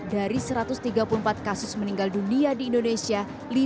dari satu ratus tiga puluh empat kasus meninggal dunia di indonesia